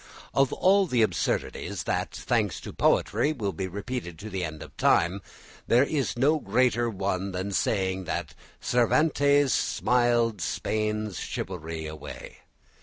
Of all the absurdities that, thanks to poetry, will be repeated to the end of time, there is no greater one than saying that "Cervantes smiled Spain's chivalry away."